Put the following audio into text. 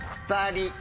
２人。